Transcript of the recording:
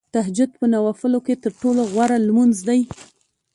تهجد په نوافلو کې تر ټولو غوره لمونځ دی .